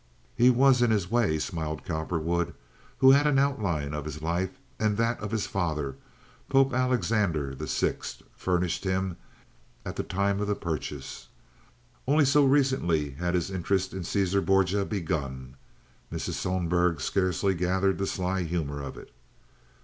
"He was, in his way," smiled Cowperwood, who had had an outline of his life, and that of his father, Pope Alexander VI., furnished him at the time of the purchase. Only so recently had his interest in Caesar Borgia begun. Mrs. Sohlberg scarcely gathered the sly humor of it.